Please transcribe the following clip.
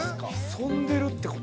◆潜んでるってこと？